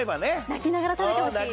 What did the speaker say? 泣きながら食べてほしい。